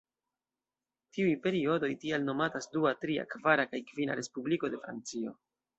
Tiuj periodoj tial nomatas Dua, Tria, Kvara kaj Kvina Respubliko de Francio.